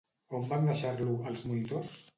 On van deixar-lo els monitors?